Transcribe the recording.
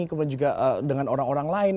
kemudian juga dengan orang orang lain